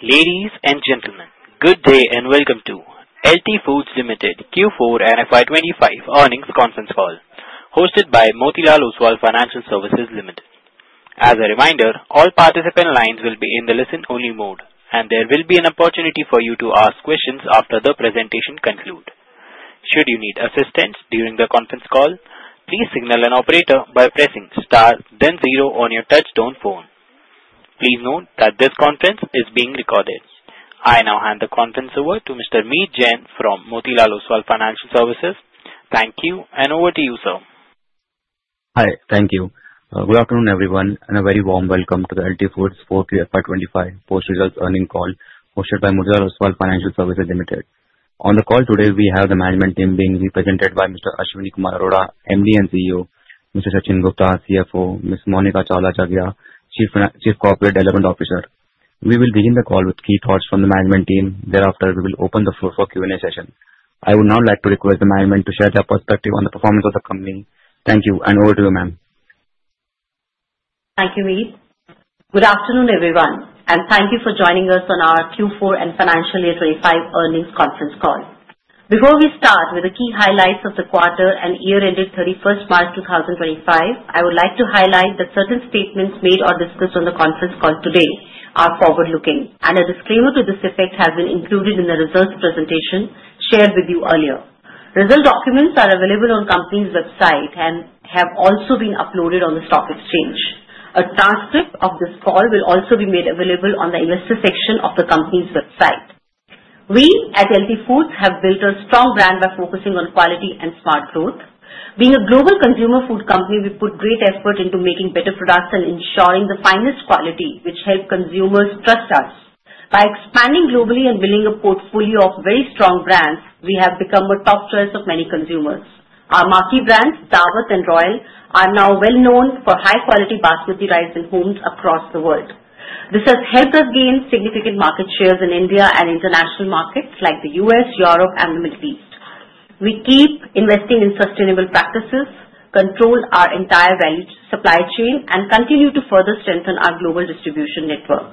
Ladies and gentlemen, good day and welcome to LT Foods Limited Q4 and FY25 earnings conference call, hosted by Motilal Oswal Financial Services Limited. As a reminder, all participant lines will be in the listen-only mode, and there will be an opportunity for you to ask questions after the presentation concludes. Should you need assistance during the conference call, please signal an operator by pressing star, then zero on your touch-tone phone. Please note that this conference is being recorded. I now hand the conference over to Mr. Meet Jain from Motilal Oswal Financial Services. Thank you, and over to you, sir. Hi, thank you. Good afternoon, everyone, and a very warm welcome to the LT Foods Q4 and FY25 post-results earnings call hosted by Motilal Oswal Financial Services Limited. On the call today, we have the management team being represented by Mr. Ashwani Kumar Arora, MD and CEO. Mr. Sachin Gupta, CFO. Ms. Monika Chawla Jaggia, Chief Corporate Development Officer. We will begin the call with key thoughts from the management team. Thereafter, we will open the floor for Q&A session. I would now like to request the management to share their perspective on the performance of the company. Thank you, and over to you, ma'am. Thank you, Meet. Good afternoon, everyone, and thank you for joining us on our Q4 and financial year 25 earnings conference call. Before we start with the key highlights of the quarter and year-ending 31st March 2025, I would like to highlight that certain statements made or discussed on the conference call today are forward-looking, and a disclaimer to this effect has been included in the results presentation shared with you earlier. Results documents are available on the company's website and have also been uploaded on the stock exchange. A transcript of this call will also be made available on the investor section of the company's website. We, at LT Foods, have built a strong brand by focusing on quality and smart growth. Being a global consumer food company, we put great effort into making better products and ensuring the finest quality, which helps consumers trust us. By expanding globally and building a portfolio of very strong brands, we have become a top choice for many consumers. Our marquee brands, Daawat and Royal, are now well-known for high-quality basmati rice in homes across the world. This has helped us gain significant market shares in India and international markets like the U.S., Europe, and the Middle East. We keep investing in sustainable practices, control our entire value supply chain, and continue to further strengthen our global distribution network.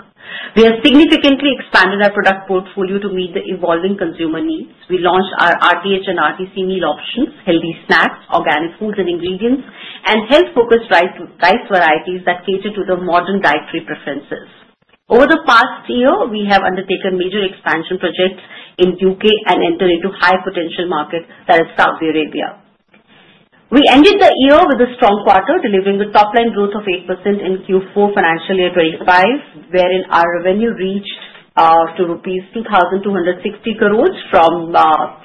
We have significantly expanded our product portfolio to meet the evolving consumer needs. We launched our RTH and RTC meal options, healthy snacks, organic foods and ingredients, and health-focused rice varieties that cater to the modern dietary preferences. Over the past year, we have undertaken major expansion projects in the U.K. and entered into a high-potential market that is Saudi Arabia. We ended the year with a strong quarter, delivering a topline growth of 8% in Q4 financial year 25, wherein our revenue reached rupees 2,260 crores from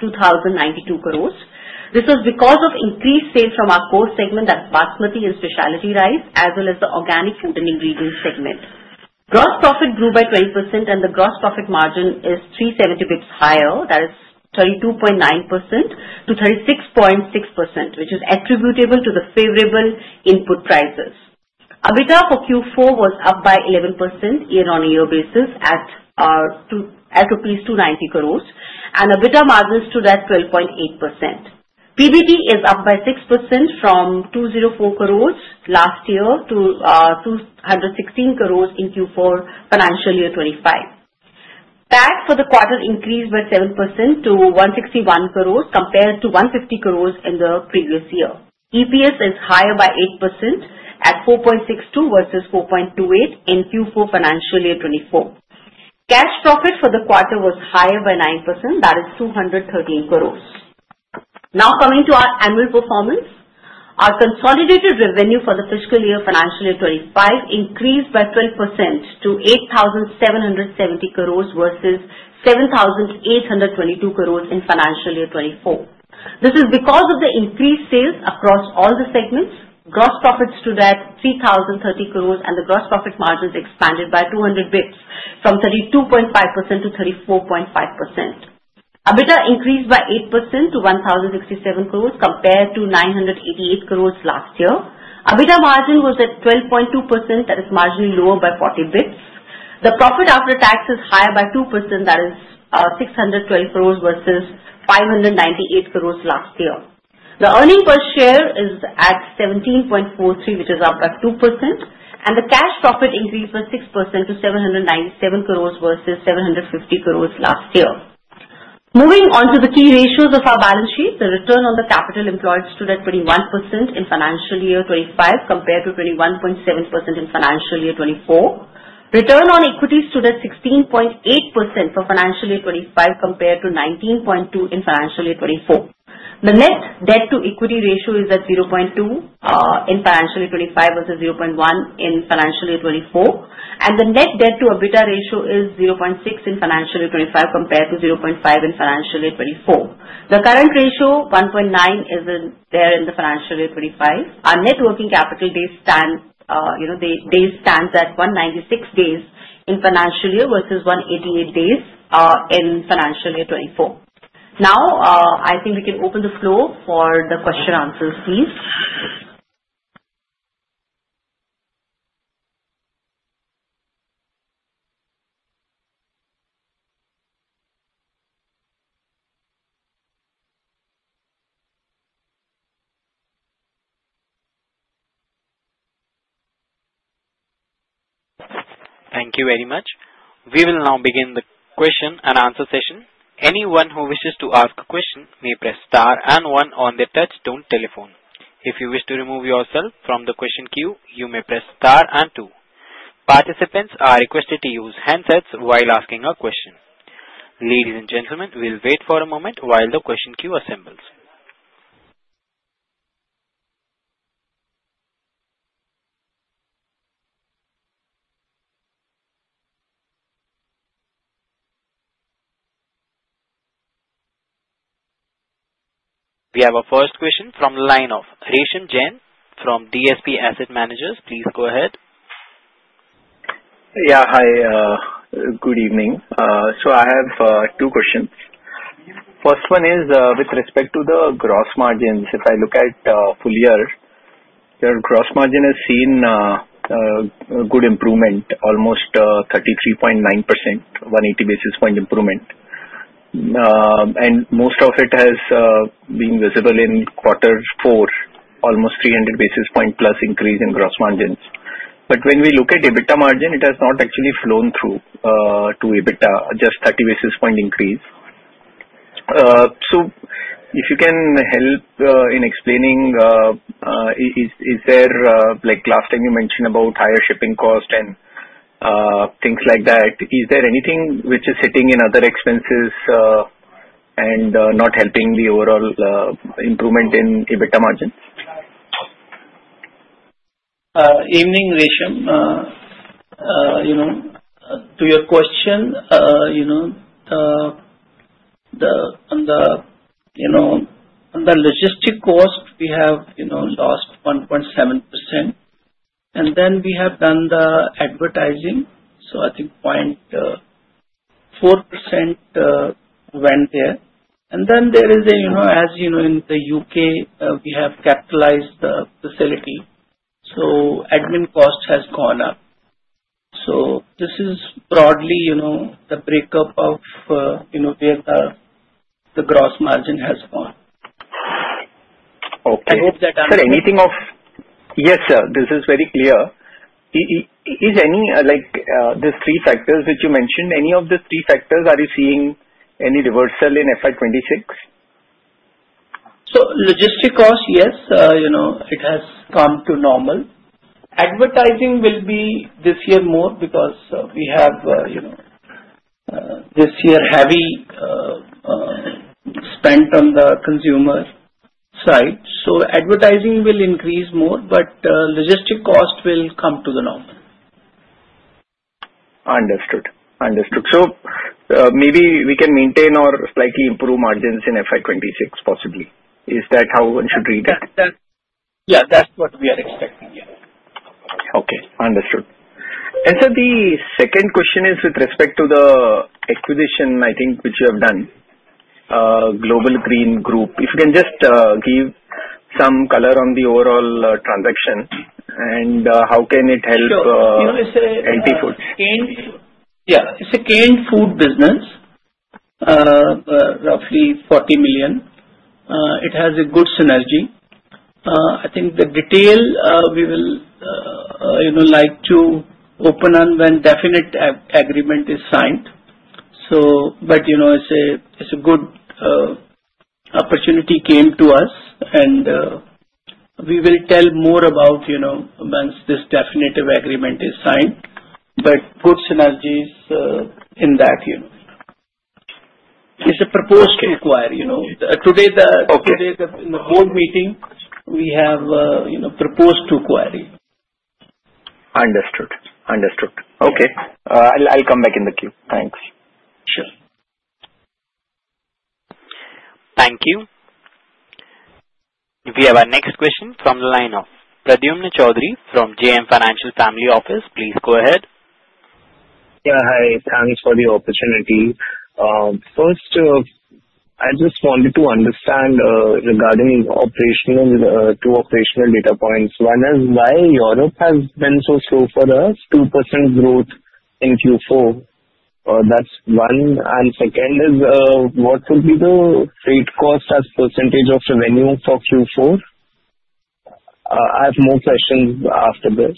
2,092 crores. This was because of increased sales from our core segment, that is basmati and specialty rice, as well as the organic and ingredients segment. Gross profit grew by 20%, and the gross profit margin is 370 basis points higher, that is 32.9% to 36.6%, which is attributable to the favorable input prices. EBITDA for Q4 was up by 11% year-on-year basis at 290 crores, and EBITDA margins stood at 12.8%. PBT is up by 6% from 204 crores last year to 216 crores in Q4 financial year 25. PAT for the quarter increased by 7% to 161 crores compared to 150 crores in the previous year. EPS is higher by 8% at 4.62 versus 4.28 in Q4 financial year 24. Cash profit for the quarter was higher by 9%, that is 213 crores. Now coming to our annual performance, our consolidated revenue for the fiscal year 25 increased by 12% to 8,770 crores versus 7,822 crores in financial year 24. This is because of the increased sales across all the segments. Gross profits stood at 3,030 crores, and the gross profit margins expanded by 200 basis points from 32.5% to 34.5%. EBITDA increased by 8% to 1,067 crores compared to 988 crores last year. EBITDA margin was at 12.2%, that is marginally lower by 40 basis points. The profit after tax is higher by 2%, that is 612 crores versus 598 crores last year. The earnings per share is at 17.43, which is up by 2%, and the cash profit increased by 6% to 797 crores versus 750 crores last year. Moving on to the key ratios of our balance sheet, the return on the capital employed stood at 21% in financial year 2025 compared to 21.7% in financial year 2024. Return on equity stood at 16.8% for financial year 2025 compared to 19.2% in financial year 2024. The net debt to equity ratio is at 0.2% in financial year 2025 versus 0.1% in financial year 2024, and the net debt to EBITDA ratio is 0.6% in financial year 2025 compared to 0.5% in financial year 2024. The current ratio, 1.9%, is there in the financial year 2025. Our net working capital days stand at 196 days in financial year 2025 versus 188 days in financial year 2024. Now, I think we can open the floor for the questions and answers, please. Thank you very much. We will now begin the question and answer session. Anyone who wishes to ask a question may press star and one on the touch-tone telephone. If you wish to remove yourself from the question queue, you may press star and two. Participants are requested to use handsets while asking a question. Ladies and gentlemen, we'll wait for a moment while the question queue assembles. We have our first question from the line of Resham Jain from DSP Asset Managers. Please go ahead. Yeah, hi. Good evening. So I have two questions. First one is with respect to the gross margins. If I look at full year, the gross margin has seen good improvement, almost 33.9%, 180 basis points improvement. And most of it has been visible in Q4, almost 300 basis points plus increase in gross margins. But when we look at EBITDA margin, it has not actually flowed through to EBITDA, just 30 basis points increase. So if you can help in explaining, is there like last time you mentioned about higher shipping cost and things like that, is there anything which is sitting in other expenses and not helping the overall improvement in EBITDA margins? Evening, Resham. To your question, on the logistics cost, we have lost 1.7%. And then we have done the advertising. So I think 0.4% went there. And then there is, as you know, in the U.K., we have capitalized the facility. So admin cost has gone up. So this is broadly the breakup of where the gross margin has gone. I hope that answers. Okay. Anything? Yes, sir. This is very clear. Is any, like, the three factors which you mentioned, any of the three factors, are you seeing any reversal in FY26? Logistics cost, yes. It has come to normal. Advertising will be this year more because we have this year heavy spend on the consumer side. Advertising will increase more, but logistics cost will come to normal. Understood. Understood. So maybe we can maintain or slightly improve margins in FY26, possibly. Is that how one should read it? Yeah, that's what we are expecting. Yeah. Okay. Understood. And so the second question is with respect to the acquisition, I think, which you have done, Global Green Group. If you can just give some color on the overall transaction and how can it help LT Foods? Yeah. It's a canned food business, roughly 40 million. It has a good synergy. I think the detail we will like to open on when definitive agreement is signed. But it's a good opportunity came to us, and we will tell more about once this definitive agreement is signed, but good synergies in that. It's a proposed acquisition. Today, in the board meeting, we have proposed acquisition. Understood. Understood. Okay. I'll come back in the queue. Thanks. Sure. Thank you. We have our next question from the line of Pradyumna Choudhury from JM Financial Family Office. Please go ahead. Yeah, hi. Thanks for the opportunity. First, I just wanted to understand regarding two operational data points. One is why Europe has been so slow for us, 2% growth in Q4. That's one, and second is what would be the freight cost as percentage of revenue for Q4? I have more questions after this.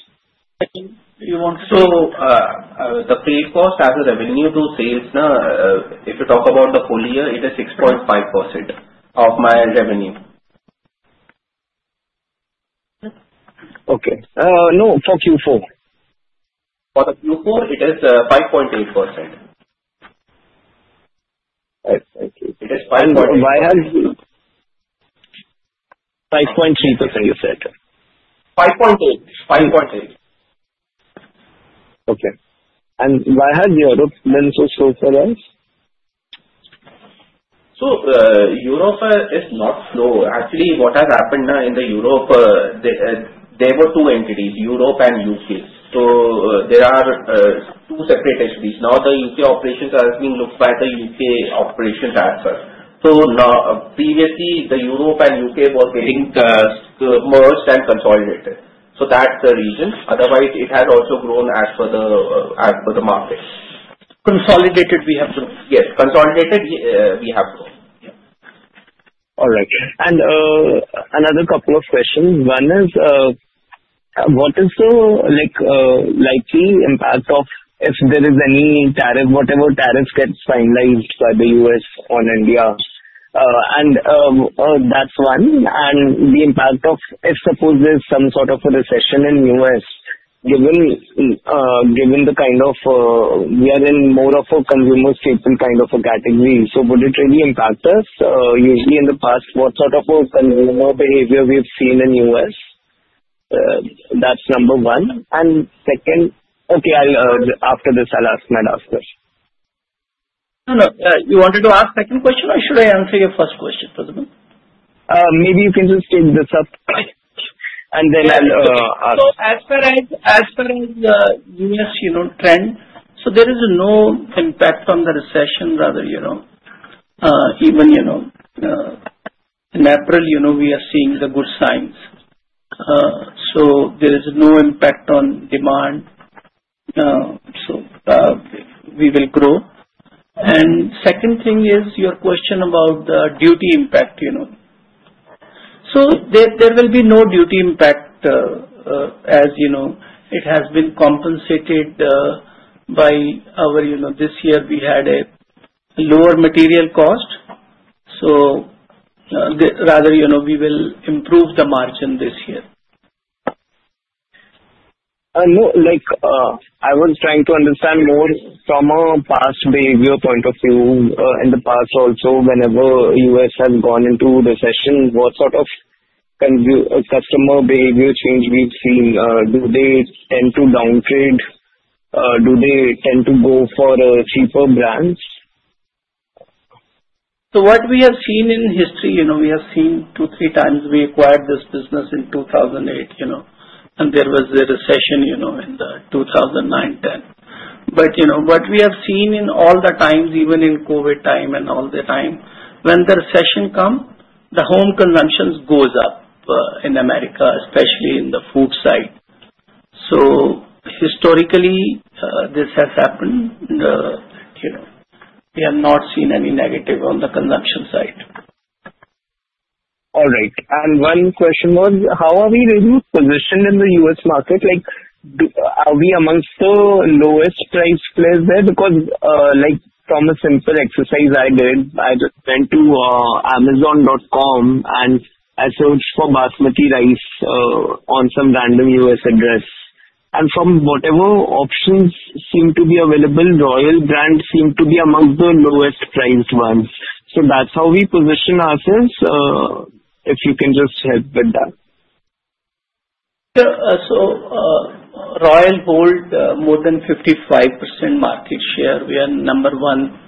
You want to know the freight cost as a revenue to sales. If you talk about the full year, it is 6.5% of my revenue. Okay. No, for Q4. For the Q4, it is 5.8%. It is 5.8%. Why has 5.3%, you said? 5.8. 5.8. Okay. And why has Europe been so slow for us? So Europe is not slow. Actually, what has happened in Europe, there were two entities, Europe and U.K. So there are two separate entities. Now, the U.K. operations are being looked at by the U.K. operations as well. So previously, the Europe and U.K. were getting merged and consolidated. So that's the reason. Otherwise, it has also grown as per the market. Consolidated, we have grown. Yes. Consolidated, we have grown. All right. Another couple of questions. One is, what is the likely impact of if there is any tariff, whatever tariff gets finalized by the U.S. on India? That's one. The impact of if, suppose, there's some sort of a recession in the U.S., given the kind of we are in more of a consumer-staple kind of a category, so would it really impact us? Usually, in the past, what sort of a consumer behavior we've seen in the U.S.? That's number one. Second, okay, after this, I'll ask my last question. No, no. You wanted to ask the second question, or should I answer your first question, Pradyumna? Maybe you can just take this up, and then I'll ask. As far as the U.S. trend, so there is no impact on the recession, rather. Even in April, we are seeing the good signs. There is no impact on demand. We will grow. Second thing is your question about the duty impact. There will be no duty impact as it has been compensated by us this year. We had a lower material cost. Rather, we will improve the margin this year. No, I was trying to understand more from a past behavior point of view. In the past, also, whenever the U.S. has gone into recession, what sort of customer behavior change we've seen? Do they tend to downgrade? Do they tend to go for cheaper brands? So, what we have seen in history, we have seen two, three times we acquired this business in 2008, and there was a recession in 2009, 2010. But what we have seen in all the times, even in COVID time and all the time, when the recession comes, the home consumption goes up in America, especially in the food side. So historically, this has happened. We have not seen any negative on the consumption side. All right. And one question was, how are we really positioned in the US market? Are we amongst the lowest price players there? Because from a simple exercise I did, I just went to Amazon.com and I searched for basmati rice on some random US address. And from whatever options seem to be available, Royal Brand seemed to be among the lowest priced ones. So that's how we position ourselves, if you can just help with that. Royal holds more than 55% market share. We are number one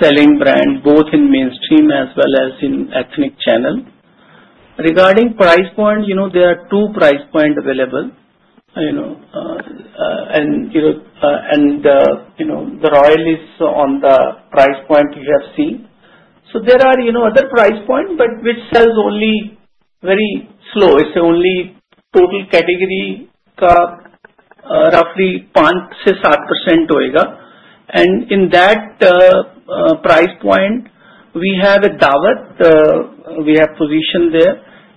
selling brand, both in mainstream as well as in ethnic channel. Regarding price point, there are two price points available. The Royal is on the price point you have seen. There are other price points, but which sells only very slow. It's only total category roughly 5% to 7%. In that price point, we have a Daawat. We have positioned there,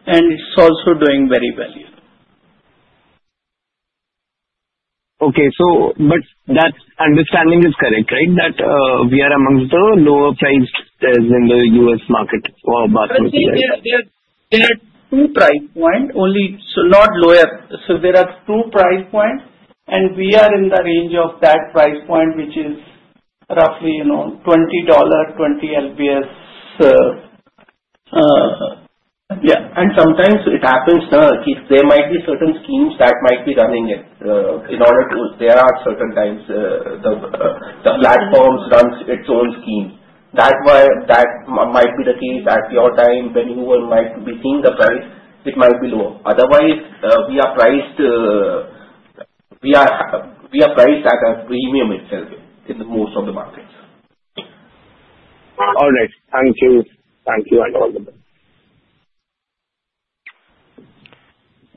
and it's also doing very well. Okay, but that understanding is correct, right, that we are amongst the lower priced in the U.S. market for basmati rice? There are two price points, only not lower. So there are two price points, and we are in the range of that price point, which is roughly $20 20 lbs. Yeah. And sometimes it happens there might be certain schemes that might be running it in order to there are certain times the platforms run its own scheme. That might be the case at your time when you might be seeing the price, it might be lower. Otherwise, we are priced at a premium itself in most of the markets. All right. Thank you. Thank you, Pradyumna.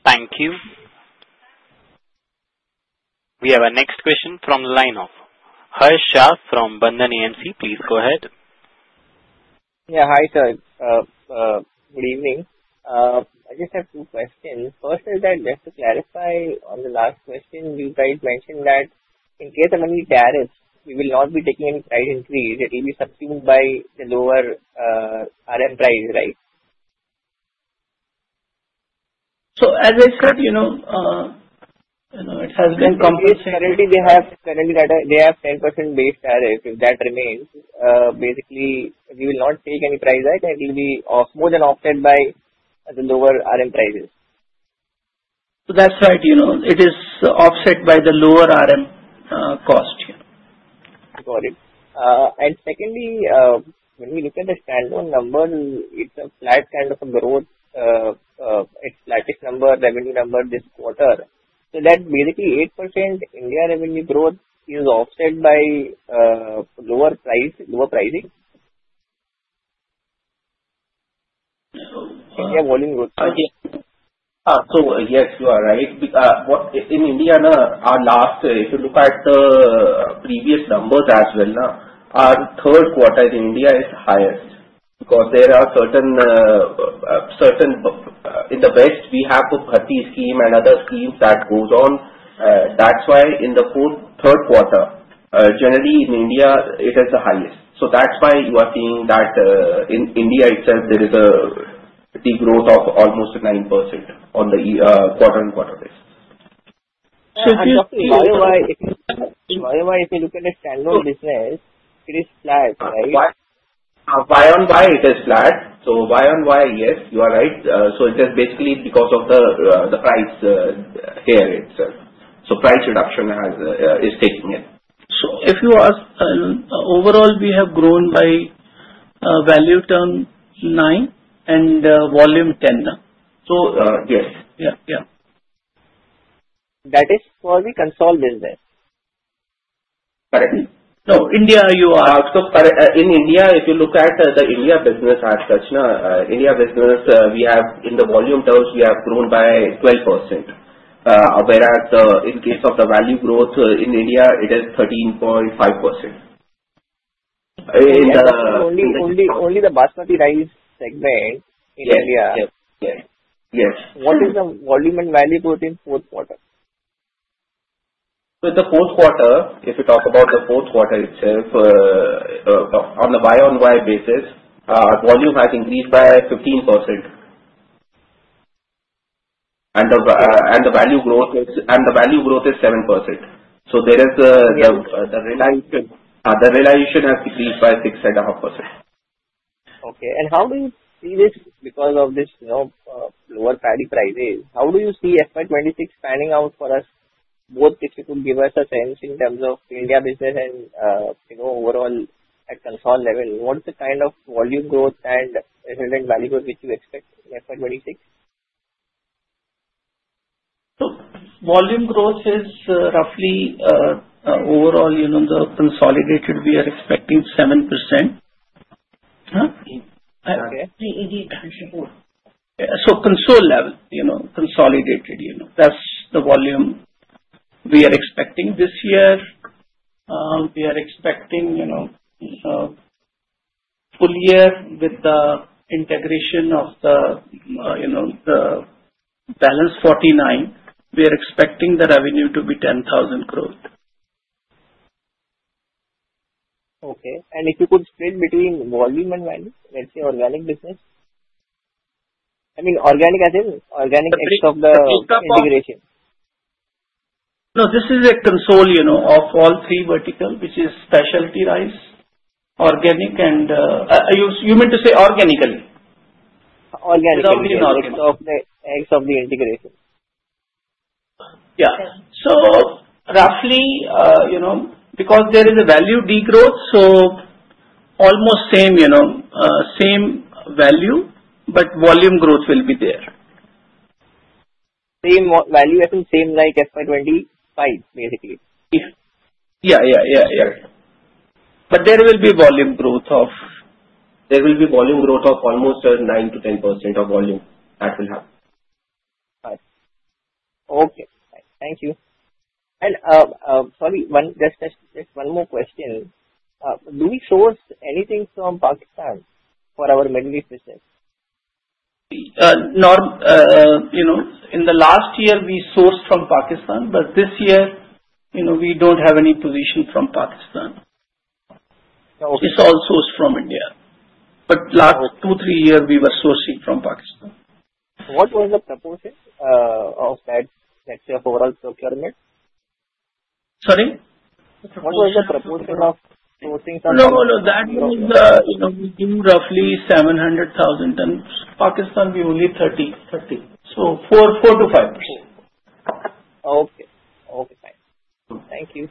Thank you. We have our next question from the line of Harsh Shah from Bandhan AMC. Please go ahead. Yeah. Hi, sir. Good evening. I just have two questions. First is that just to clarify on the last question, you guys mentioned that in case of any tariffs, we will not be taking any price increase. It will be subsumed by the lower RM price, right? So as I said, it has been compensated. Okay. So currently, they have 10% base tariff if that remains. Basically, we will not take any price that will be more than offset by the lower RM prices. So that's right. It is offset by the lower RM cost. Got it. And secondly, when we look at the standalone number, it's a flat kind of a growth. It's flat number, revenue number this quarter. So that basically 8% India revenue growth is offset by lower pricing. India volume growth. So yes, you are right. In India, our last, if you look at the previous numbers as well, our Q3 in India is highest because there are certain in the West, we have the Bharti scheme and other schemes that go on. That's why in the Q3, generally in India, it is the highest. So that's why you are seeing that in India itself, there is a growth of almost 9% on the quarter-on-quarter basis. So why, if you look at the standalone business, it is flat, right? Why is it flat? So why on why, yes, you are right. So it is basically because of the price here itself. So price reduction is taking it. So if you ask, overall, we have grown by value terms 9% and volume 10%. So yes. That is for the consult business. Correct. No, India, you are. So in India, if you look at the India business as such, India business, in the volume terms, we have grown by 12%. Whereas in case of the value growth in India, it is 13.5%. Only the Basmati rice segment in India. Yes. Yes. Yes. What is the volume and value growth in Q4? The Q4, if you talk about the Q4 itself, on the year-on-year basis, volume has increased by 15%. And the value growth is 7%. So the realization has decreased by 6.5%. Okay. And how do you see this because of this lower tariff prices? How do you see FY26 panning out for us, both if you could give us a sense in terms of India business and overall at consol level? What is the kind of volume growth and value growth that you expect in FY26? Volume growth is roughly overall the consolidated. We are expecting 7%. Okay. Consolidated level, consolidated, that's the volume we are expecting this year. We are expecting full year with the integration of the balance 49. We are expecting the revenue to be 10,000 growth. Okay. And if you could split between volume and value, let's say organic business, I mean, organic as in organic aspects of the integration. No, this is a consol of all three verticals, which is specialty rice, organic, and you meant to say organically? Organically in the aegis of the integration. Yeah. So roughly because there is a value degrowth, so almost same value, but volume growth will be there. Same value as in same like FY25, basically. But there will be volume growth of almost 9% to 10% of volume that will happen. Okay. Thank you. And sorry, just one more question. Do we source anything from Pakistan for our Middle East business? In the last year, we sourced from Pakistan, but this year, we don't have any position from Pakistan. It's all sourced from India. But last two, three years, we were sourcing from Pakistan. What was the proposal of that sector for our procurement? Sorry? What was the proposal of sourcing from? No, no, no. That means we do roughly 700,000 tons. Pakistan, we only 30. So 4% to 5%. Okay. Okay. Thank you.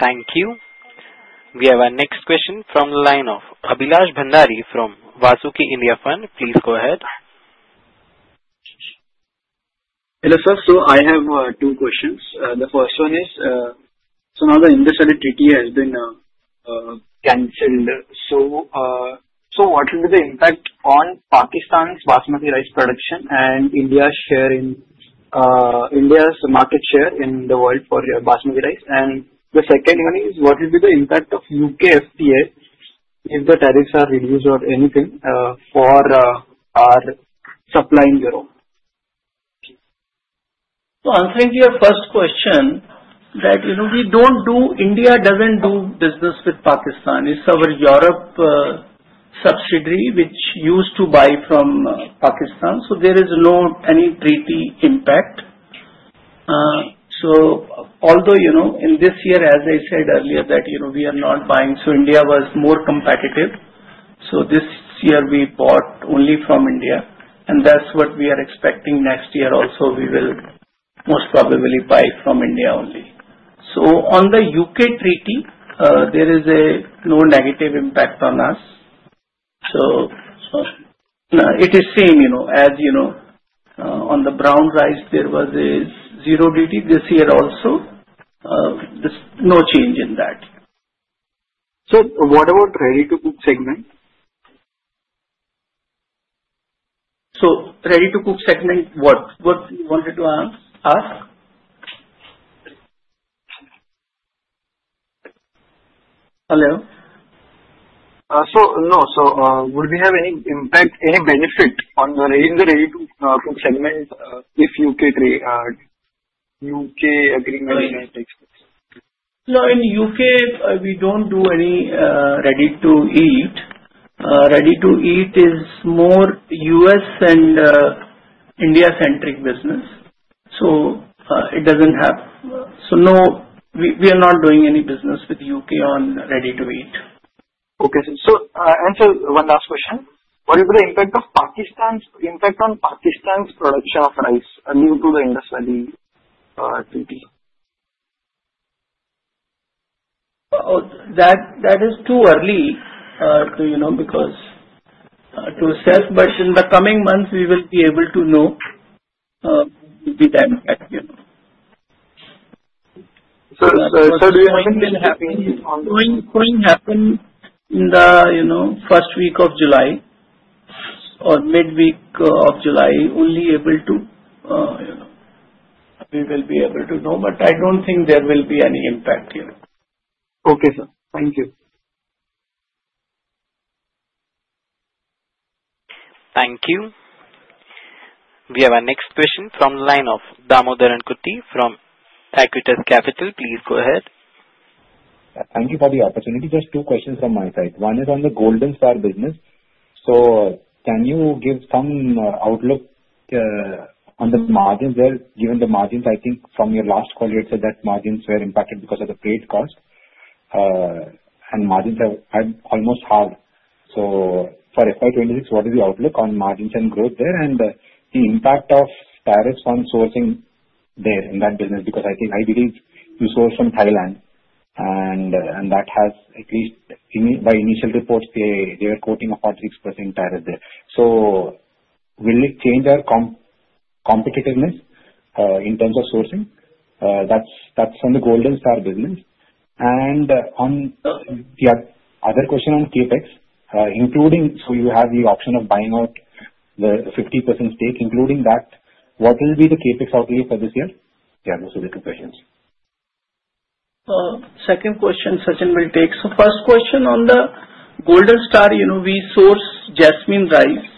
Thank you. We have our next question from the line of Abhilash Bhandari from Vasuki India Fund. Please go ahead. Hello sir. I have two questions. The first one is, now the Indus Waters Treaty has been canceled. What will be the impact on Pakistan's basmati rice production and India's market share in the world for basmati rice? And the second one is, what will be the impact of U.K. FTA if the tariffs are reduced or anything for our supplying Europe? So, answering to your first question, that we don't do. India doesn't do business with Pakistan. It's our European subsidiary which used to buy from Pakistan. So there is no any treaty impact. So although in this year, as I said earlier, that we are not buying, so India was more competitive. So this year, we bought only from India. And that's what we are expecting next year also. We will most probably buy from India only. So on the Indus treaty, there is no negative impact on us. So it is same as on the brown rice, there was a zero duty this year also. No change in that. So what about ready-to-cook segment? So, ready-to-cook segment, what? What you wanted to ask? Hello? So no. So would we have any impact, any benefit in the ready-to-cook segment if U.K. agreement is not taken? No, in U.K., we don't do any ready-to-eat. Ready-to-eat is more U.S. and India-centric business so it doesn't have so no, we are not doing any business with U.K. on ready-to-eat. Okay. So answer one last question. What will be the impact on Pakistan's production of rice due to the Indus Waters Treaty? That is too early to assess, but in the coming months, we will be able to know what will be the impact. So do you think? Growing happen in the first week of July or midweek of July. We will only be able to know, but I don't think there will be any impact here. Okay, sir. Thank you. Thank you. We have our next question from the line of Damodaran Kutty from Aequitas Investment Consultancy. Please go ahead. Thank you for the opportunity. Just two questions from my side. One is on the Golden Star business. So can you give some outlook on the margins there? Given the margins, I think from your last call, you had said that margins were impacted because of the freight cost and margins are almost halved. So for FY26, what is the outlook on margins and growth there and the impact of tariffs on sourcing there in that business? Because I believe you source from Thailand, and that has at least by initial reports, they were quoting a 46% tariff there. So will it change our competitiveness in terms of sourcing? That's on the Golden Star business. And on the other question on CapEx, including so you have the option of buying out the 50% stake, including that, what will be the CapEx outlay for this year? Yeah, those are the two questions. Second question, Sachin will take. So first question on the Golden Star, we source Jasmine rice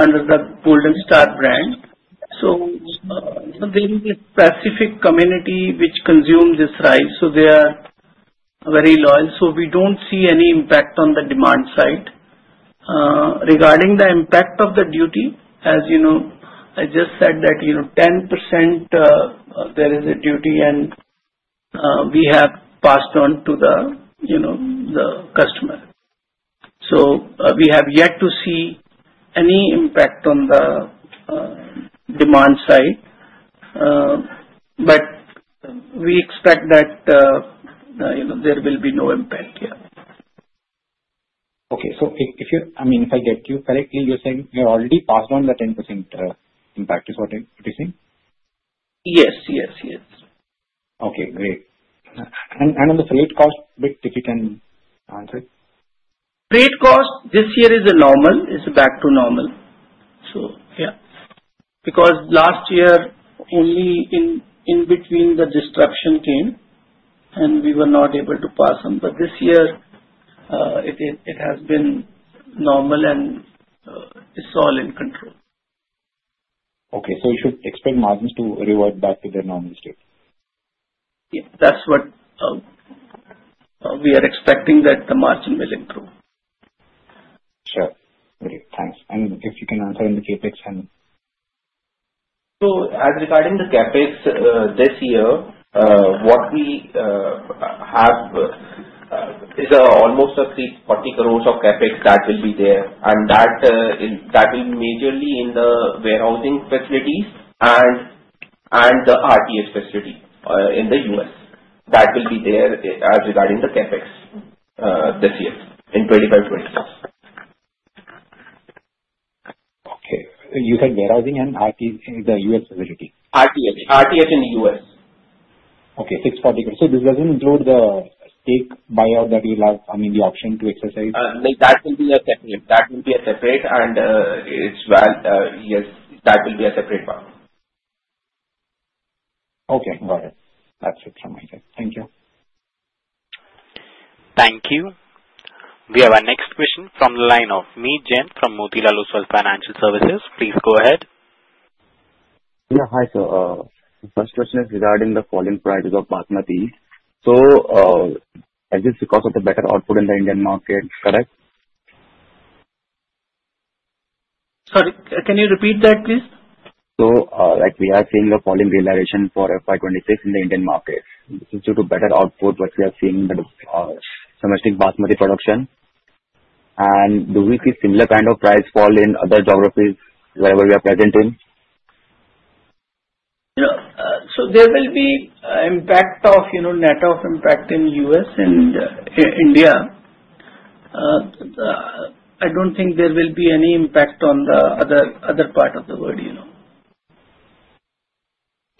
under the Golden Star brand. So there is a specific community which consumes this rice, so they are very loyal. So we don't see any impact on the demand side. Regarding the impact of the duty, as I just said, that 10% there is a duty, and we have passed on to the customer. So we have yet to see any impact on the demand side, but we expect that there will be no impact here. Okay. So I mean, if I get you correctly, you're saying we are already passed on the 10% impact. Is what you're saying? Yes. Yes. Yes. Okay. Great, and on the freight cost, if you can answer. Freight cost this year is normal. It's back to normal. So yeah. Because last year, only in between the disruption came, and we were not able to pass on. But this year, it has been normal, and it's all in control. Okay, so you should expect margins to revert back to their normal state. Yeah. That's what we are expecting, that the margin will improve. Sure. Great. Thanks, and if you can answer on the CAPEX and. As regarding the CAPEX this year, what we have is almost 40 crores of CAPEX that will be there, and that will be majorly in the warehousing facilities and the RTH facility in the U.S. That will be there as regarding the CAPEX this year in 2025-26. Okay. You said warehousing and the U.S. facility. RTS. RTS in the U.S. Okay. 640 crores. So this doesn't include the stake buyout that you'll have, I mean, the option to exercise. That will be a separate, and yes, that will be a separate one. Okay. Got it. That's it from my side. Thank you. Thank you. We have our next question from the line of Meet Jain from Motilal Oswal Financial Services. Please go ahead. Yeah. Hi sir. First question is regarding the falling prices of Basmati. So is this because of the better output in the Indian market, correct? Sorry. Can you repeat that, please? So we are seeing a falling realization for FY26 in the Indian market. This is due to better output, but we are seeing domestic basmati production. And do we see similar kind of price fall in other geographies wherever we are present in? So there will be impact of net impact in U.S. and India. I don't think there will be any impact on the other part of the world.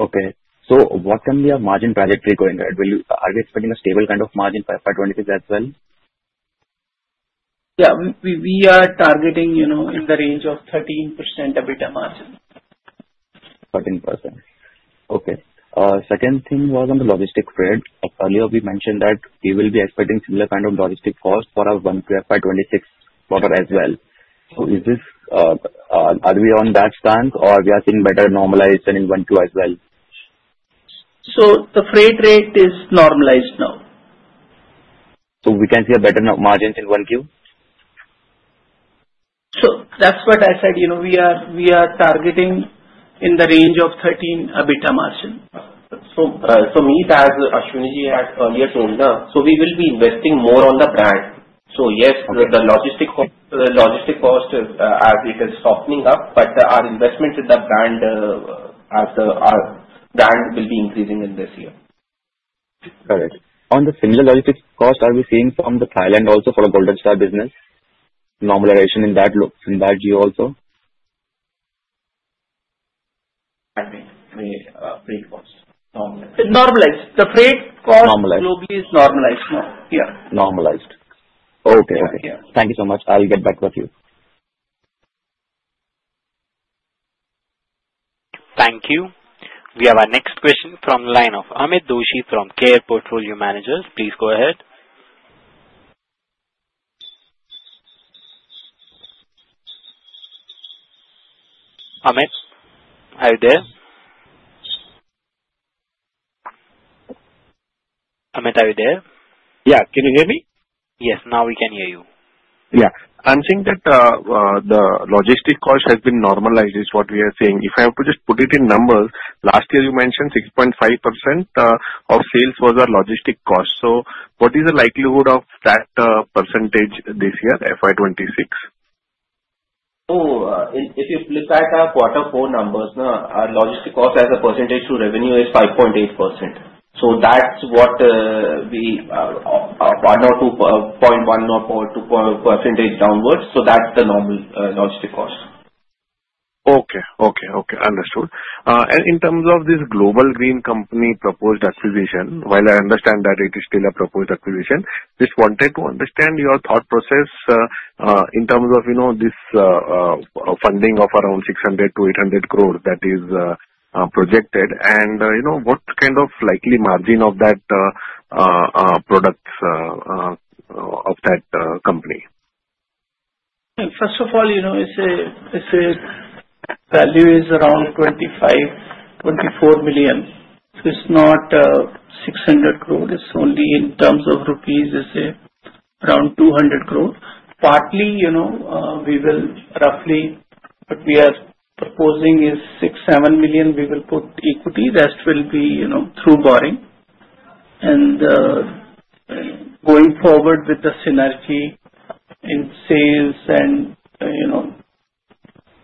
Okay. So what can be our margin trajectory going ahead? Are we expecting a stable kind of margin for FY26 as well? Yeah. We are targeting in the range of 13% EBITDA margin. 13%. Okay. Second thing was on the logistics trade. Earlier, we mentioned that we will be expecting similar kind of logistics cost for our FY26 quarter as well. So are we on that stance, or we are seeing better normalization in Q1 as well? So the freight rate is normalized now. So we can see a better margin in Q1? So that's what I said. We are targeting in the range of 13% EBITDA margin. So Meet, as Ashwini ji had earlier told, so we will be investing more on the brand. So yes, the logistics cost as it is softening up, but our investment in the brand will be increasing in this year. Got it. On the similar logistics cost, are we seeing from Thailand also for the Golden Star business normalization in that year also? I mean, freight cost. Normalized. Normalized. The freight cost globally is normalized. Yeah. Normalized. Okay. Thank you so much. I'll get back with you. Thank you. We have our next question from the line of Amit Doshi from Care Portfolio Managers. Please go ahead. Amit, are you there? Amit, are you there? Yeah. Can you hear me? Yes. Now we can hear you. Yeah. I'm seeing that the logistics cost has been normalized, is what we are seeing. If I have to just put it in numbers, last year you mentioned 6.5% of sales was our logistics cost. So what is the likelihood of that percentage this year, FY26? Oh, if you look at our Q4 numbers, our logistics cost as a percentage to revenue is 5.8%. So that's what we are one or 2.1% or 2.0% downwards. So that's the normal logistics cost. Okay. Understood. And in terms of this Global Green Company proposed acquisition, while I understand that it is still a proposed acquisition, just wanted to understand your thought process in terms of this funding of around 600 to 800 crores that is projected. And what kind of likely margin of that product of that company? First of all, its value is around 25 million, 24 million. So it's not 600 crores. It's only in terms of rupees; it's around 200 crores. Partly, we will roughly what we are proposing is 6 million to 7 million. We will put equity. The rest will be through borrowing. And going forward with the synergy in sales and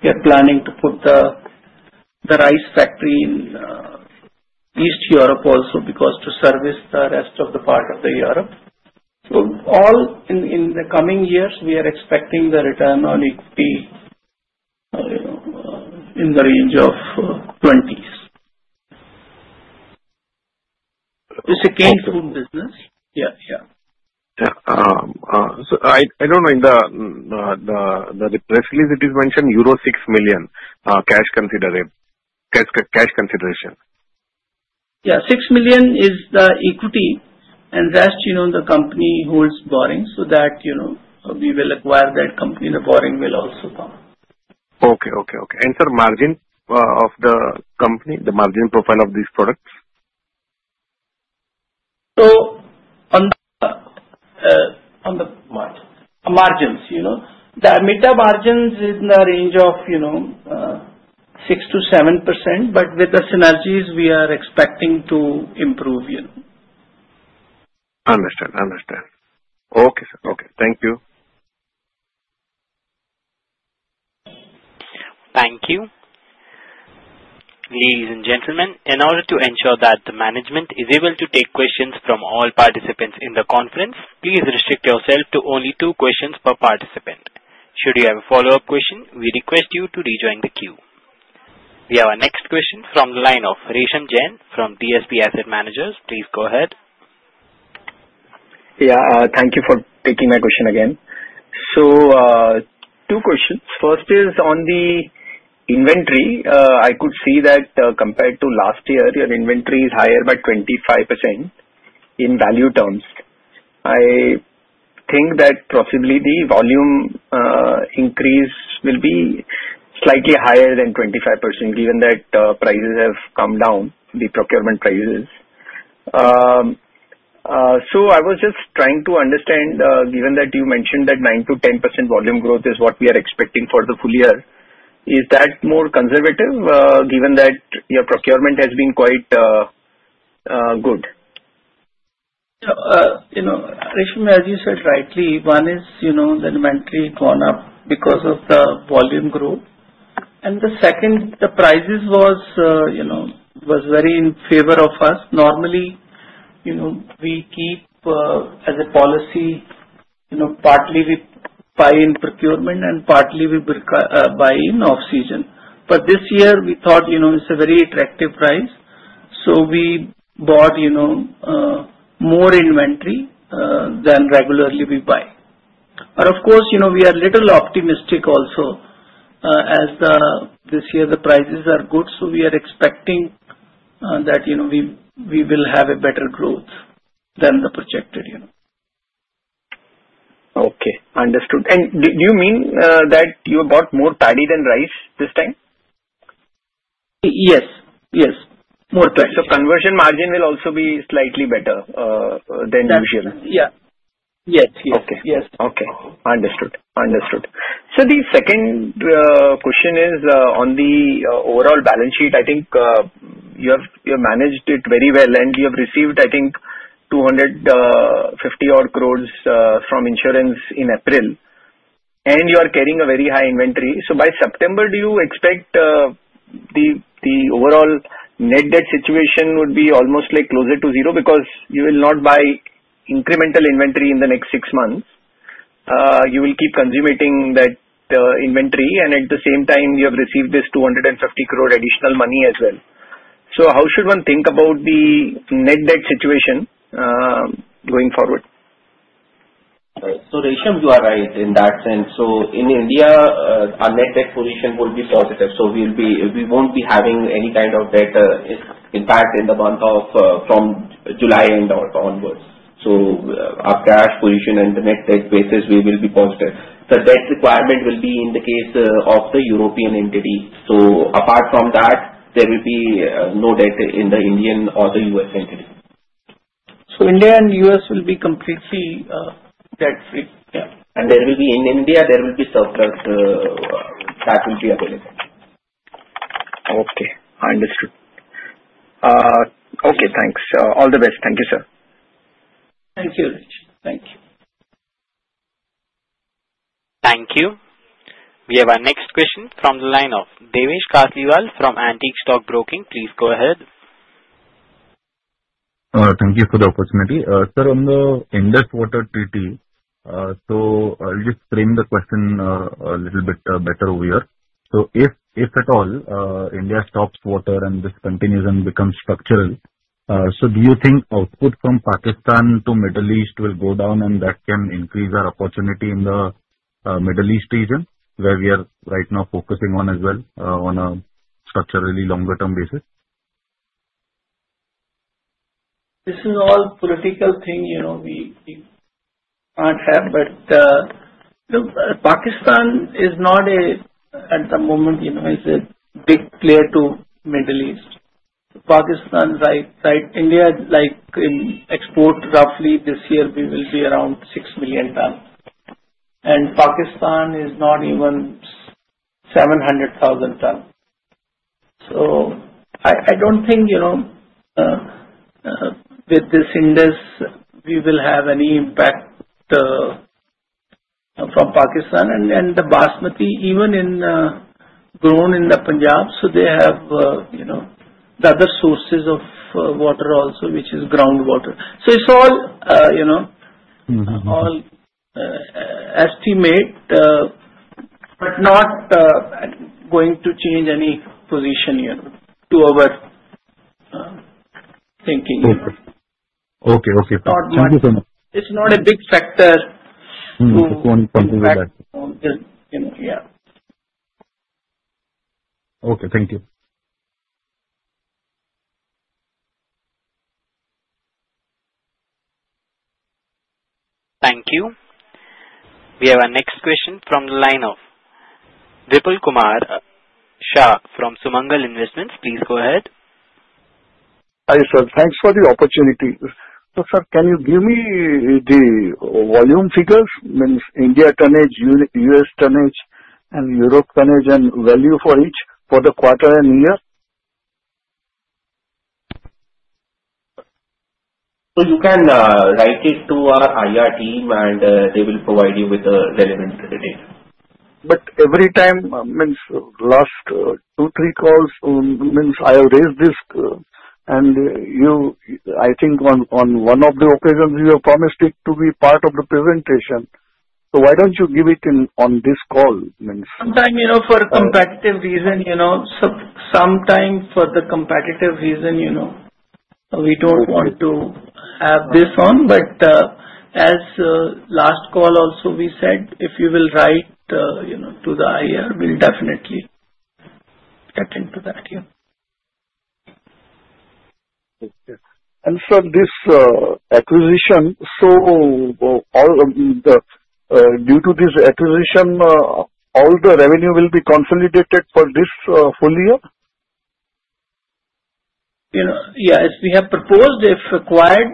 we are planning to put the rice factory in East Europe also because to service the rest of the part of Europe. So all in the coming years, we are expecting the return on equity in the range of 20s. It's a canned food business. Yeah. Yeah. Yeah. So I don't know. In the press release, it is mentioned euro 6 million cash consideration. Yeah. 6 million is the equity. And the rest, the company holds borrowing. So that we will acquire that company. The borrowing will also come. Okay. And sir, margin of the company, the margin profile of these products? So on the margins, the EBITDA margin is in the range of 6% to 7%, but with the synergies, we are expecting to improve. Understood. Understood. Okay. Okay. Thank you. Thank you. Ladies and gentlemen, in order to ensure that the management is able to take questions from all participants in the conference, please restrict yourself to only two questions per participant. Should you have a follow-up question, we request you to rejoin the queue. We have our next question from the line of Resham Jain from DSP Asset Managers. Please go ahead. Yeah. Thank you for taking my question again. So two questions. First is on the inventory. I could see that compared to last year, your inventory is higher by 25% in value terms. I think that possibly the volume increase will be slightly higher than 25%, given that prices have come down, the procurement prices. So I was just trying to understand, given that you mentioned that 9% to 10% volume growth is what we are expecting for the full year, is that more conservative, given that your procurement has been quite good? Resham, as you said rightly, one is the inventory gone up because of the volume growth, and the second, the prices was very in favor of us. Normally, we keep as a policy, partly we buy in procurement and partly we buy in off-season, but this year, we thought it's a very attractive price, so we bought more inventory than regularly we buy. But of course, we are a little optimistic also as this year the prices are good, so we are expecting that we will have a better growth than the projected. Okay. Understood. And do you mean that you bought more paddy than rice this time? Yes. Yes. More paddy. Conversion margin will also be slightly better than usual? Yeah. Yes. Yes. Yes. Okay. Understood. So the second question is on the overall balance sheet. I think you have managed it very well, and you have received, I think, 250-odd crores from insurance in April. And you are carrying a very high inventory. So by September, do you expect the overall net debt situation would be almost closer to zero? Because you will not buy incremental inventory in the next six months. You will keep consuming that inventory. And at the same time, you have received this 250 crore additional money as well. So how should one think about the net debt situation going forward? So Resham, you are right in that sense. So in India, our net debt position will be positive. So we won't be having any kind of debt impact in the month of from July end onwards. So our cash position and the net debt basis, we will be positive. The debt requirement will be in the case of the European entity. So apart from that, there will be no debt in the Indian or the U.S. entity. So India and U.S. will be completely debt-free. Yeah. And in India, there will be surplus that will be available. Okay. Understood. Okay. Thanks. All the best. Thank you, sir. Thank you, Resham. Thank you. Thank you. We have our next question from the line of Devesh Kasliwal from Antique Stock Broking. Please go ahead. Thank you for the opportunity. Sir, on the Indus Waters Treaty, so I'll just frame the question a little bit better over here. So if at all India stops water and this continues and becomes structural, so do you think output from Pakistan to Middle East will go down and that can increase our opportunity in the Middle East region where we are right now focusing on as well on a structurally longer-term basis? This is all a political thing. We can't have it. But Pakistan is not at the moment. It's a big player in the Middle East. So, Pakistan, right? India exports roughly this year. We will be around 6 million tons. And Pakistan is not even 700,000 tons. So, I don't think with this Indus we will have any impact from Pakistan. And the basmati is even grown in the Punjab, so they have the other sources of water also, which is groundwater. It's all an estimate, but not going to change any position in our thinking. Okay. Okay. Thank you so much. It's not a big factor to. Going forward with that. To our business. Yeah. Okay. Thank you. Thank you. We have our next question from the line of Dipal Kumar Shah from Sumangal Investments. Please go ahead. Hi, sir. Thanks for the opportunity. So, sir, can you give me the volume figures, meaning India tonnage, U.S. tonnage, and Europe tonnage and value for each for the quarter and year? So you can write it to our IR team, and they will provide you with the relevant data. But every time, means last two, three calls, means I have raised this. And I think on one of the occasions, you have promised it to be part of the presentation. So why don't you give it on this call, means? Sometimes for a competitive reason. Sometimes for the competitive reason, we don't want to have this on. But as last call also we said, if you will write to the IR, we'll definitely get into that. Sir, this acquisition, so due to this acquisition, all the revenue will be consolidated for this full year? Yeah. As we have proposed, if acquired,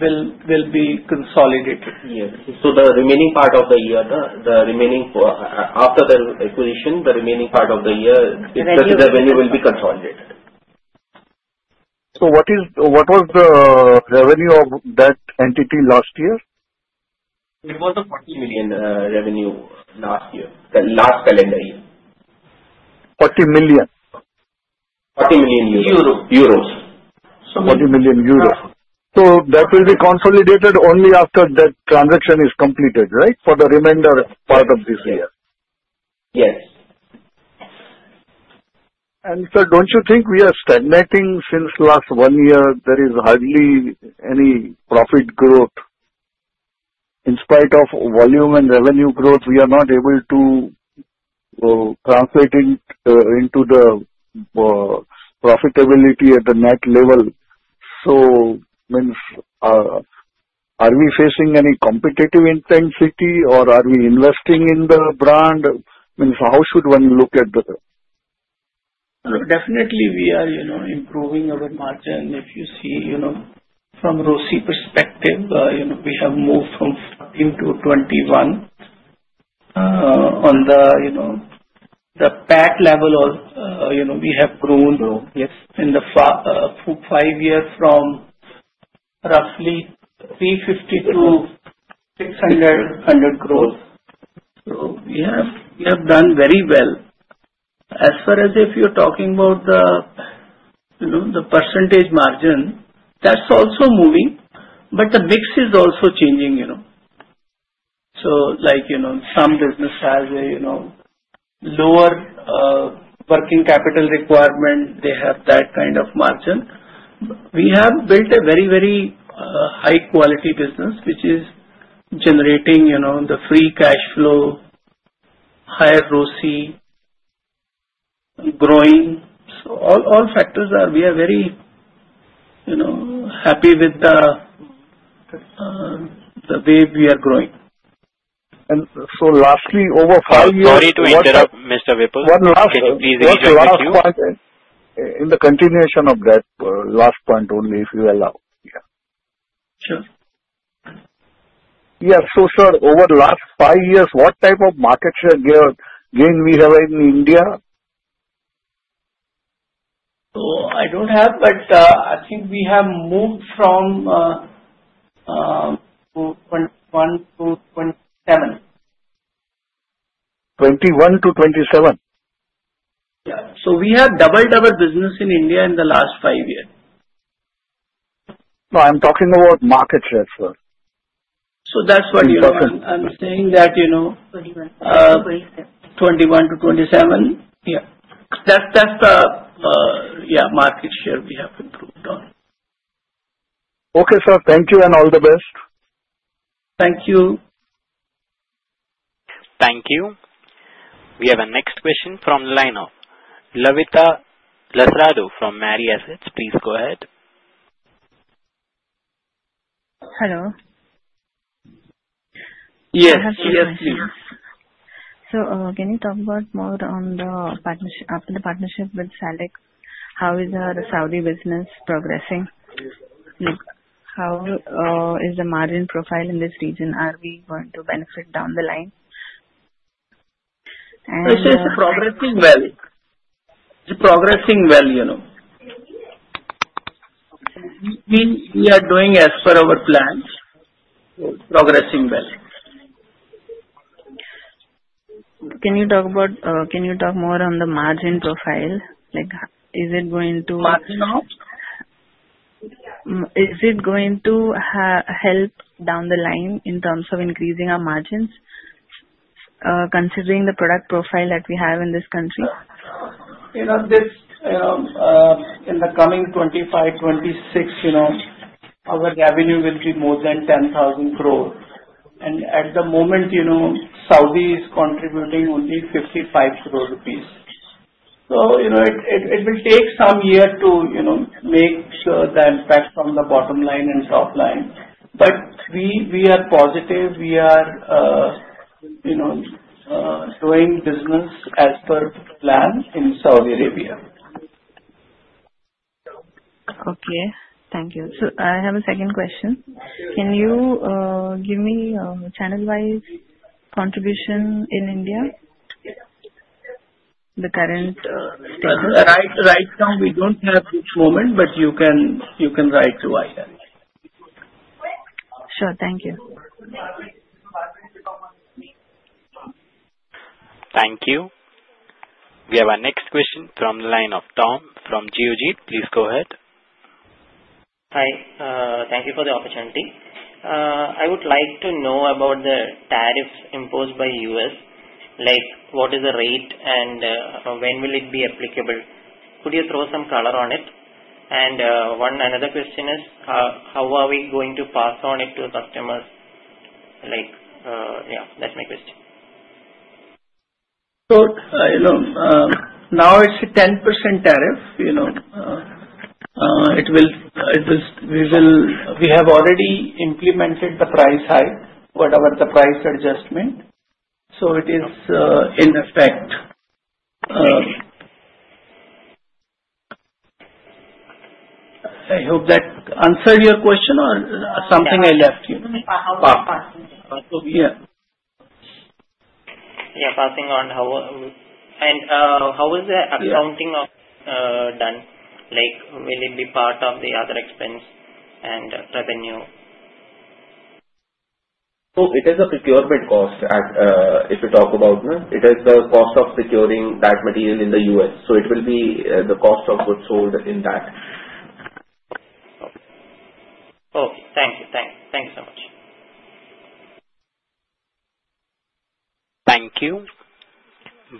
will be consolidated. Yes. So the remaining part of the year after the acquisition, the revenue will be consolidated. So what was the revenue of that entity last year? It was a 40 million revenue last year, the last calendar year. 40 million? 40 million. Euros. Something like that. 40 million euros. So that will be consolidated only after that transaction is completed, right, for the remainder part of this year? Yes. Sir, don't you think we are stagnating since last one year? There is hardly any profit growth. In spite of volume and revenue growth, we are not able to translate into the profitability at the net level. Are we facing any competitive intensity, or are we investing in the brand? How should one look at the? Definitely, we are improving our margin. If you see, from ROE perspective, we have moved from 14% to 21%. On the PAT level, we have grown, yes, in the five years from roughly 350 to 600, 100 crores. So we have done very well. As far as if you're talking about the percentage margin, that's also moving. But the mix is also changing. So some business has a lower working capital requirement. They have that kind of margin. We have built a very, very high-quality business, which is generating the free cash flow, higher ROE, growing. So all factors are, we are very happy with the way we are growing. Lastly, over five years. Sorry to interrupt, Mr. Vipul. One last question, please. In the continuation of that last point only, if you allow. Sure. Yeah. So sir, over the last five years, what type of market share gain we have in India? I don't have, but I think we have moved from 21 to 27. 21 to 27? Yeah, so we have doubled our business in India in the last five years. No, I'm talking about market share, sir. So that's what I'm saying that 21% to 27%. Yeah. That's the, yeah, market share we have improved on. Okay, sir. Thank you and all the best. Thank you. Thank you. We have our next question from the line of Lavita Lasrado from Mirae Asset Capital Markets. Please go ahead. Hello. Yes. Yes, please. So can you talk about more on the partnership with SALIC? How is the Saudi business progressing? How is the margin profile in this region? Are we going to benefit down the line? It is progressing well. We are doing as per our plans, progressing well. Can you talk more on the margin profile? Is it going to? Margin now? Is it going to help down the line in terms of increasing our margins, considering the product profile that we have in this country? In the coming 2025, 2026, our revenue will be more than 10,000 crore, and at the moment, Saudi is contributing only 55 crore rupees, so it will take some year to make sure the impact from the bottom line and top line, but we are positive. We are doing business as per plan in Saudi Arabia. Okay. Thank you. So I have a second question. Can you give me channel-wise contribution in India? The current status? Right now, we don't have this at the moment, but you can write to IR. Sure. Thank you. Thank you. We have our next question from the line of Tom from Geojit. Please go ahead. Hi. Thank you for the opportunity. I would like to know about the tariffs imposed by U.S. What is the rate, and when will it be applicable? Could you throw some color on it? And another question is, how are we going to pass on it to customers? Yeah. That's my question. So now it's a 10% tariff. We have already implemented the price hike, whatever the price adjustment. So it is in effect. I hope that answered your question or something I left you? Yeah. Yeah. Passing on how and how is the accounting done? Will it be part of the other expense and revenue? So it is a procurement cost if you talk about. It is the cost of securing that material in the U.S. So it will be the cost of goods sold in that. Okay. Thank you. Thanks. Thanks so much. Thank you.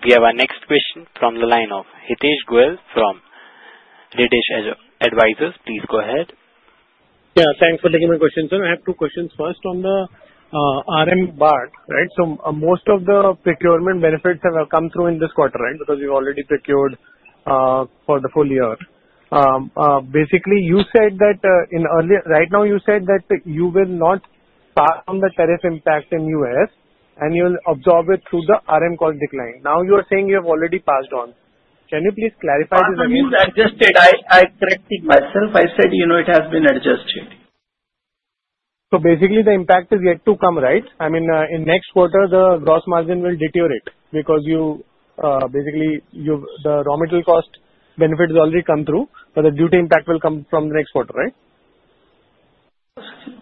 We have our next question from the line of Hitesh Goel from Ritesh Advisors. Please go ahead. Yeah. Thanks for taking my question, sir. I have two questions. First, on the RM basmati, right? So most of the procurement benefits have come through in this quarter, right? Because we've already procured for the full year. Basically, you said that in earlier right now you will not pass on the tariff impact in U.S., and you will absorb it through the RM cost decline. Now you are saying you have already passed on. Can you please clarify this again? It has been adjusted. I corrected myself. I said it has been adjusted. So basically, the impact is yet to come, right? I mean, in next quarter, the gross margin will deteriorate because basically, the raw material cost benefit has already come through, but the duty impact will come from the next quarter, right?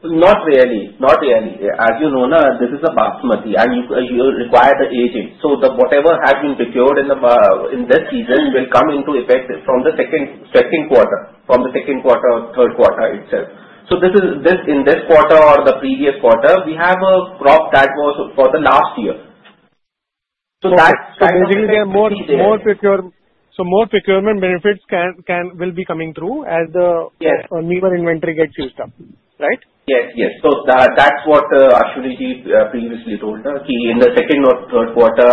Not really. Not really. As you know, this is a basmati, and you require the aging. So whatever has been procured in this season will come into effect from the Q2, from the Q2 or Q3 itself. So in this quarter or the previous quarter, we have a crop that was for the last year. So basically, more procurement benefits will be coming through as the newer inventory gets used up, right? Yes. Yes. So that's what Ashwini ji previously told, that in the second or Q3, the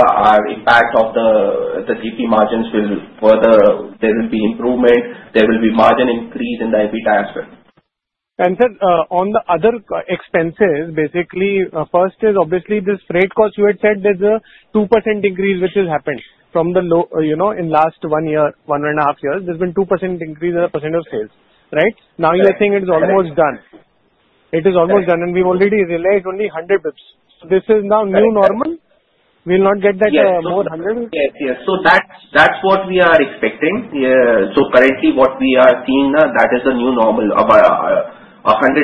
impact on our GP margins will further improve. There will be margin increase in the import tariffs. Sir, on the other expenses, basically, first is obviously this freight cost. You had said there's a 2% increase which has happened from the in last one year, one and a half years. There's been 2% increase in the percent of sales, right? Now you are saying it's almost done. It is almost done, and we've already realized only 100 basis points. This is now new normal? We'll not get that more 100? Yes. Yes. So that's what we are expecting. So currently, what we are seeing, that is the new normal, 100%, 1%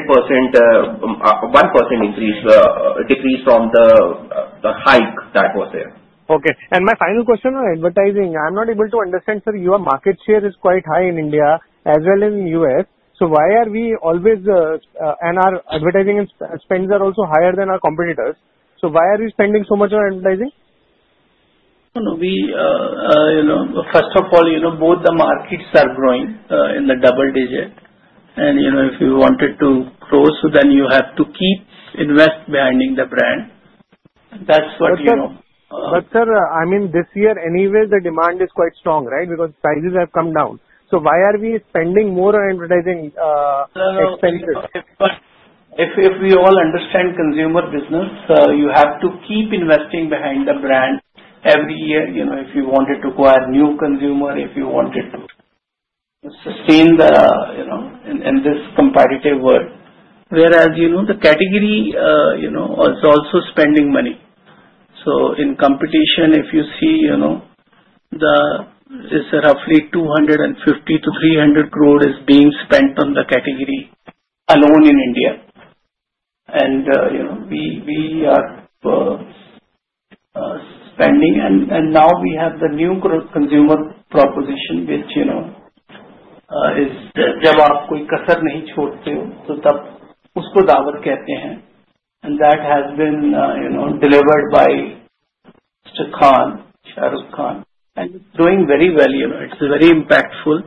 decrease from the hike that was there. Okay, and my final question on advertising. I'm not able to understand, sir. Your market share is quite high in India as well as in the U.S. So why are we always and our advertising expenses are also higher than our competitors? So why are you spending so much on advertising? First of all, both the markets are growing in the double digit, and if you wanted to grow, so then you have to keep investing behind the brand. That's what you know. But sir, I mean, this year, anyway, the demand is quite strong, right? Because prices have come down. So why are we spending more on advertising expenses? If we all understand consumer business, you have to keep investing behind the brand every year if you wanted to acquire new consumer, if you wanted to sustain the in this competitive world. Whereas the category is also spending money. So in competition, if you see, it's roughly 250-300 crore is being spent on the category alone in India, and we are spending, and now we have the new consumer proposition, which is जब आप कोई कसर नहीं छोड़ते हो, तो तब उसको दावत कहते हैं, and that has been delivered by Mr. Khan, Shah Rukh Khan, and it's doing very well. It's very impactful,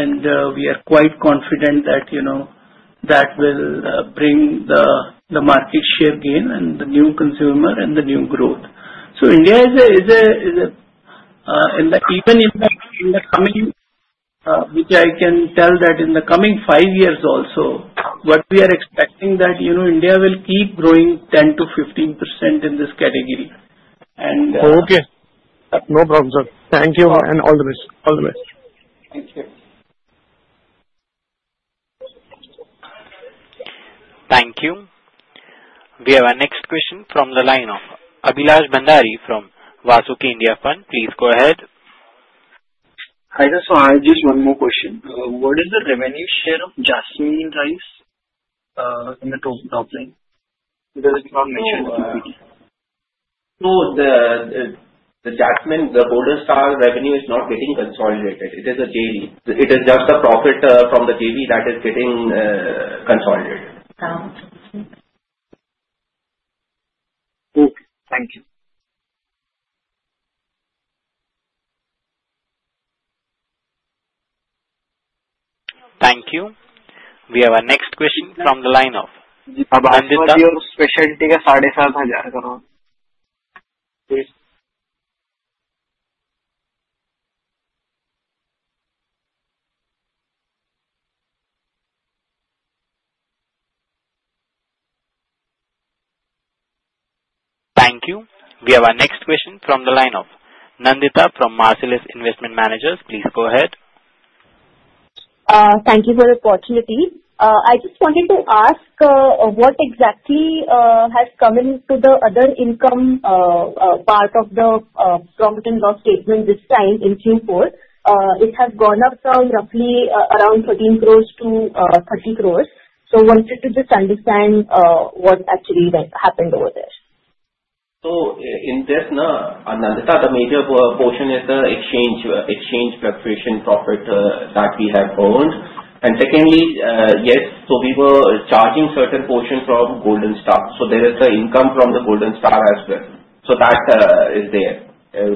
and we are quite confident that that will bring the market share gain and the new consumer and the new growth. India is a key impact in the coming, which I can tell that in the coming five years also, what we are expecting that India will keep growing 10%-15% in this category. And. Okay. No problem, sir. Thank you and all the best. All the best. Thank you. Thank you. We have our next question from the line of Abhilash Bhandari from Vasuki India Fund. Please go ahead. Hi there, sir. I just one more question. What is the revenue share of Jasmine rice in the top line? Because it's not mentioned in the PD. No, the Jasmine, the Golden Star revenue is not getting consolidated. It is a JV. It is just the profit from the JV that is getting consolidated. Okay. Thank you. Thank you. We have our next question from the line of. Ji, ab aapko bhi aur specialty ka 7,500 crore. Thank you. We have our next question from the line of Nandita from Marcellus Investment Managers. Please go ahead. Thank you for the opportunity. I just wanted to ask what exactly has come into the other income part of the profit and loss statement this time in Q4. It has gone up roughly around 13 crores to 30 crores. So I wanted to just understand what actually happened over there. So in this, Nandita, the major portion is the exchange fluctuation profit that we have earned. And secondly, yes, so we were charging certain portion from Golden Star. So there is the income from the Golden Star as well. So that is there.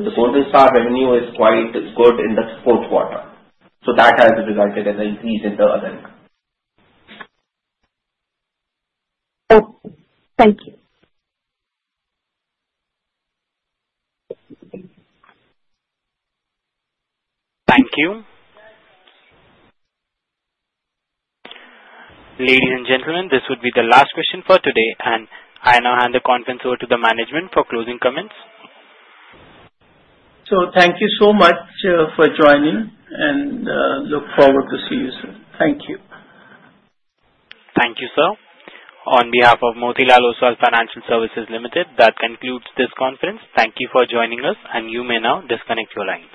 The Golden Star revenue is quite good in the Q4. So that has resulted in the increase in the other income. Thank you. Thank you. Ladies and gentlemen, this would be the last question for today, and I now hand the conference over to the management for closing comments. So thank you so much for joining, and look forward to seeing you, sir. Thank you. Thank you, sir. On behalf of Motilal Oswal Financial Services Limited, that concludes this conference. Thank you for joining us, and you may now disconnect your lines.